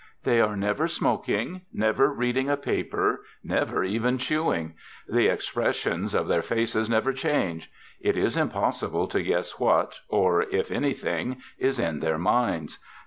They are never smoking, never reading a paper, never even chewing. The expressions of their faces never change. It is impossible to guess what, or if anything, is in their minds.